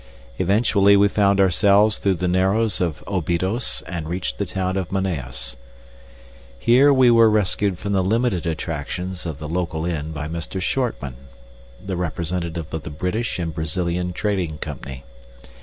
Eventually we found ourselves through the narrows of Obidos and reached the town of Manaos. Here we were rescued from the limited attractions of the local inn by Mr. Shortman, the representative of the British and Brazilian Trading Company.